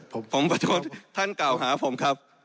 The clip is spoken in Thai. ผมขอโทษท่านกล่าวหาผมครับ